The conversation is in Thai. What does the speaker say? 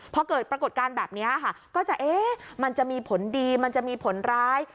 พอเกิดปรากฏการณ์แบบนี้ค่ะก็จะเอ๊ะมันจะมีผลดีมันจะมีผลร้าย